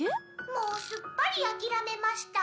もうすっぱり諦めました。